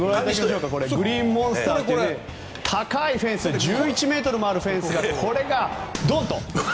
グリーンモンスターという高いフェンス１１ｍもあるフェンスがドンと。